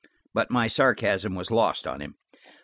But my sarcasm was lost on him.